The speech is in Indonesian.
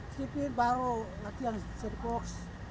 stripping baru latihan set box